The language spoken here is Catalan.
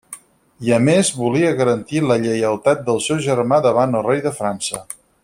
I a més volia garantir la lleialtat del seu germà davant el rei de França.